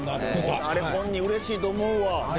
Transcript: あれ本人うれしいと思うわ。